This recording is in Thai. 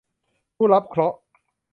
ผู้รับเคราะห์